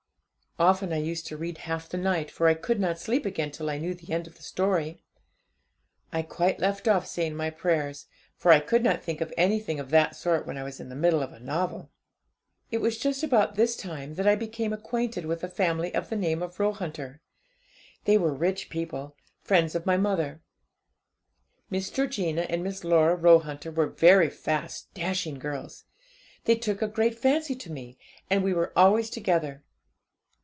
Often I used to read half the night, for I could not sleep again till I knew the end of the story. I quite left off saying my prayers, for I could not think of anything of that sort when I was in the middle of a novel. 'It was just about this time that I became acquainted with a family of the name of Roehunter. They were rich people, friends of my mother. Miss Georgina and Miss Laura Roehunter were very fast, dashing girls. They took a great fancy to me, and we were always together.